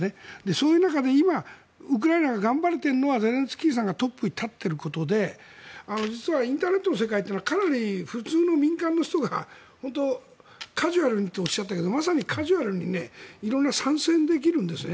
そういう中で今ウクライナが頑張れているのはゼレンスキーさんがトップに立っていることで実は、インターネットの世界はかなり普通の民間の人が本当、カジュアルにとおっしゃったけどまさにカジュアルに色々、参戦できるんですね。